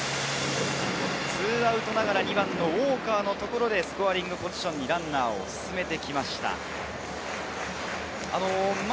２アウトながら２番のウォーカーのところでスコアリングポジションにランナーを進めてきました。